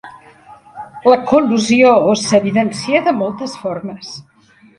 La col·lusió s"evidencia de moltes formes.